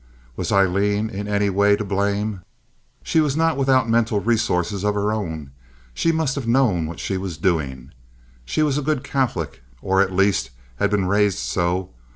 Was Aileen in any way to blame? She was not without mental resources of her own. She must have known what she was doing. She was a good Catholic, or, at least, had been raised so.